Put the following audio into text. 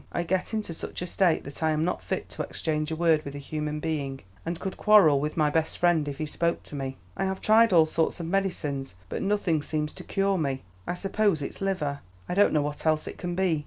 I get into such a state that I am not fit to exchange a word with a human being, and could quarrel with my best friend if he spoke to me. I have tried all sorts of medicines, but nothing seems to cure me. I suppose it's liver; I don't know what else it can be.